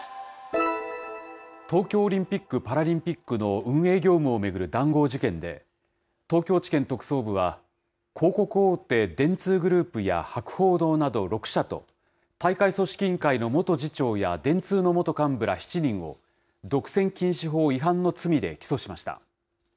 東京オリンピック・パラリンピックの運営業務を巡る談合事件で、東京地検特捜部は、広告大手、電通グループや博報堂など６社と、大会組織委員会の元次長や電通の元幹部ら７人を、独占禁止法違反の罪で起訴しました。